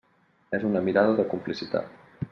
És una mirada de complicitat.